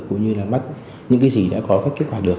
cũng như là mắt những cái gì đã có kết quả được